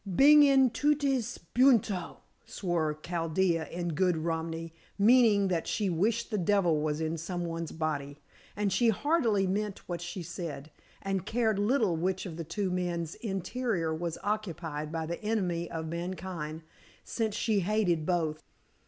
"Beng in tutes bukko!" swore Chaldea in good Romany, meaning that she wished the devil was in some one's body. And she heartily meant what she said, and cared little which of the two men's interior was occupied by the enemy of mankind, since she hated both.